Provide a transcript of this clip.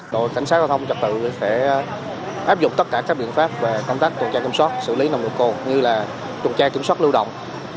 đội cảnh sát giao thông trật tự sẽ áp dụng tất cả các biện pháp về công tác tuần tra kiểm soát xử lý nồng độ cồn như là tuần tra kiểm soát lưu động